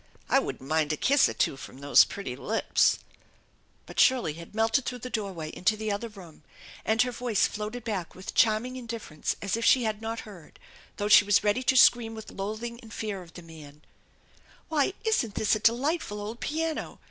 I wouldn't mind a kiss or two from those pretty lips " But Shirley had melted through the doorway into the other room and her voice floated back with charming in difference as if she had not heard, though she was ready to scream with loathing and fear of the man : "Why, isn't this a delightful old piano?